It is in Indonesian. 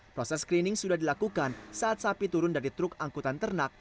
proses screening sudah dilakukan saat sapi turun dari truk angkutan ternak